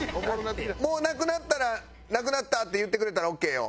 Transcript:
もうなくなったら「なくなった」って言ってくれたらオーケーよ。